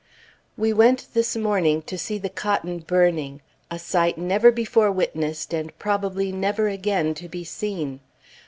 We went this morning to see the cotton burning a sight never before witnessed, and probably never again to be seen.